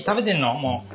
もう。